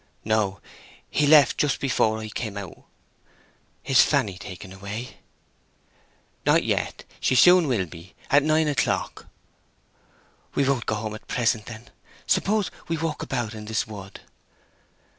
"No; he left just before I came out." "Is Fanny taken away?" "Not yet. She will soon be—at nine o'clock." "We won't go home at present, then. Suppose we walk about in this wood?"